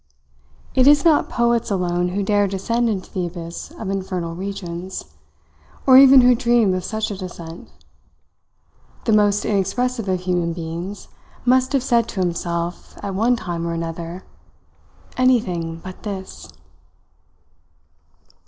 It is not poets alone who dare descend into the abyss of infernal regions, or even who dream of such a descent. The most inexpressive of human beings must have said to himself, at one time or another: "Anything but this!"